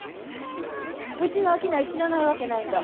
うちの商い知らないわけないんだ。